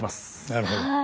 なるほど。